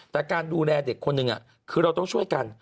แต่การดูแลเด็กคนหนึ่งคือเราต้องช่วยกัน